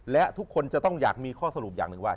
และทุกคนจะต้องอยากมีข้อสรุปอย่างหนึ่งว่า